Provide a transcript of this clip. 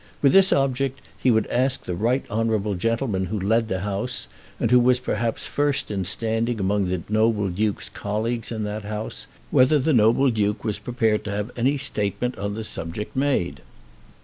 With this object he would ask the Right Honourable Gentleman who led the House, and who was perhaps first in standing among the noble Duke's colleagues in that House, whether the noble Duke was prepared to have any statement on the subject made."